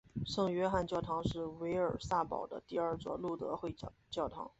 圣约翰教堂是维尔茨堡的第二座路德会教堂。